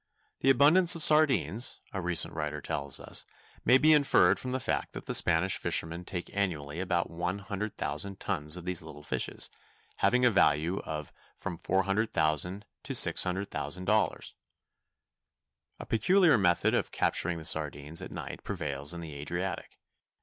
The abundance of sardines, a recent writer tells us, may be inferred from the fact that the Spanish fishermen take annually about one hundred thousand tons of these little fishes, having a value of from $400,000 to $600,000. A peculiar method of capturing the sardines at night prevails in the Adriatic.